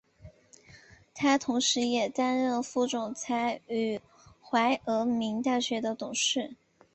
他同时也担任副总裁与怀俄明大学董事。